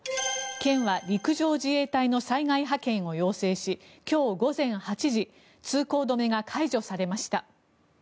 県は陸上自衛隊の災害派遣を要請し今日午前８時通行止めが解除されました。